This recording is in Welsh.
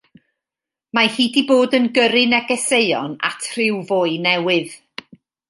Mae hi 'di bod yn gyrru negeseuon at ryw foi newydd.